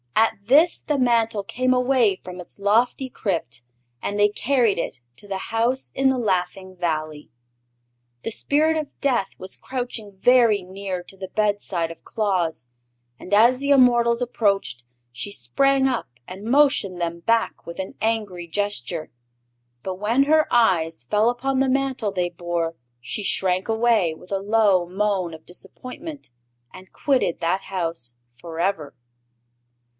At this the Mantle came away from its lofty crypt, and they carried it to the house in the Laughing Valley. The Spirit of Death was crouching very near to the bedside of Claus, and as the immortals approached she sprang up and motioned them back with an angry gesture. But when her eyes fell upon the Mantle they bore she shrank away with a low moan of disappointment and quitted that house forever.